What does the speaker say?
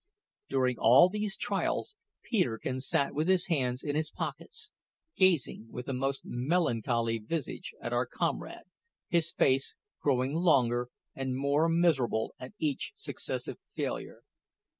During all these trials Peterkin sat with his hands in his pockets, gazing with a most melancholy visage at our comrade, his face growing longer and more miserable at each successive failure.